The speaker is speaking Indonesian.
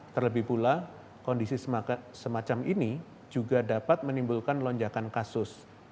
terlebih pula kondisi semacam ini juga dapat menimbulkan lonjakan kasus